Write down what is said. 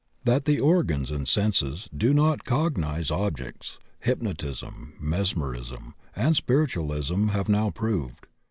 That the organs and senses do not cog nize objects, hypnotism, mesmerism, and spiritualism have now proved.